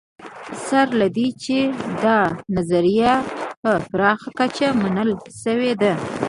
سره له دې چې دا نظریه په پراخه کچه منل شوې ده